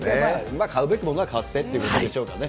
買うべきものは買ってっていうことでしょうかね。